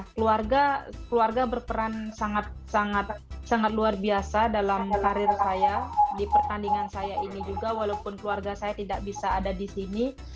keluarga keluarga berperan sangat luar biasa dalam karir saya di pertandingan saya ini juga walaupun keluarga saya tidak bisa ada di sini